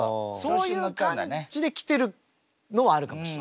そういう感じで来てるのはあるかもしれない。